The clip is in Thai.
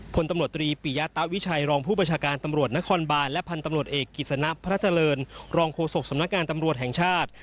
พลตำรวจตรีปิยะตะวิชัยรองผู้ประชาการตำรวจนครบานและพันธุ์ตำรวจเอกกิจสนะพระเจริญรองโฆษกสำนักงานตำรวจแห่งชาติ